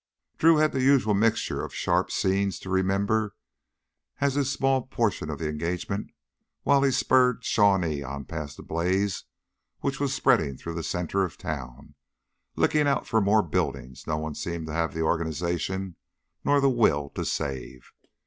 Drew had the usual mixture of sharp scenes to remember as his small portion of the engagement while he spurred Shawnee on past the blaze which was spreading through the center of the town, licking out for more buildings no one seemed to have the organization nor the will to save.